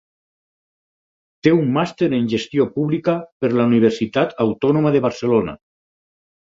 Té un màster en gestió pública per la Universitat Autònoma de Barcelona.